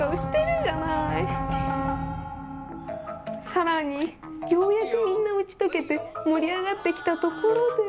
更にようやくみんな打ち解けて盛り上がってきたところで。